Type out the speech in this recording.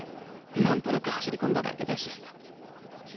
なんとなく走り込んだだけだし。